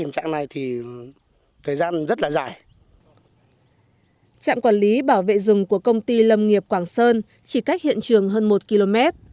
trạm quản lý bảo vệ rừng của công ty lâm nghiệp quảng sơn chỉ cách hiện trường hơn một km